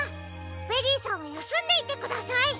ベリーさんはやすんでいてください。